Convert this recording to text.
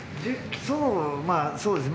そう、まあ、そうですね。